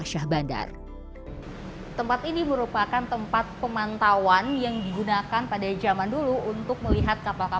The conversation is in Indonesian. syah bandar tempat ini merupakan tempat pemantauan yang digunakan pada zaman dulu untuk melihat kapal kapal